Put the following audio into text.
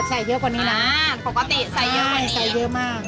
ใส่เยอะกว่านี้น่ะอ่าปกติใส่เยอะกว่านี้ใช่ใส่เยอะมาก